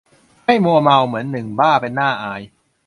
ให้มัวเมา เหมือนหนึ่งบ้า เป็นน่าอาย